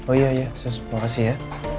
oh iya ya sus terima kasih ya